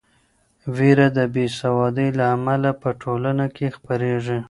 وېره د بې سوادۍ له امله په ټولنه کې خپریږي.